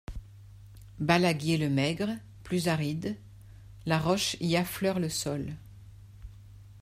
Balaguier le Maigre, plus aride, la roche y affleure le sol.